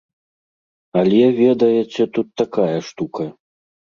Але, ведаеце, тут такая штука.